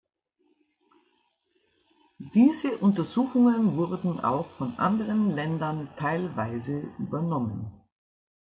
Diese Untersuchungen wurden auch von anderen Ländern teilweise übernommen.